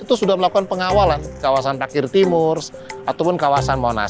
itu sudah melakukan pengawalan kawasan parkir timur ataupun kawasan monas